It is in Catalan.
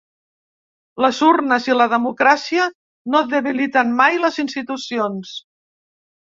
Les urnes i la democràcia no debiliten mai les institucions.